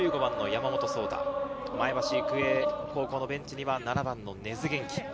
前橋育英高校のベンチには７番の根津元輝。